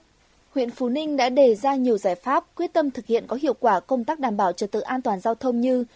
năm hai nghìn một mươi sáu huyện phú ninh đã đề ra nhiều giải pháp quyết tâm thực hiện có hiệu quả công tác đảm bảo trật tự an toàn giao thông như